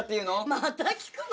また聞くの？